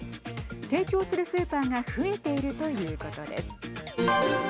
提供するスーパーが増えているということです。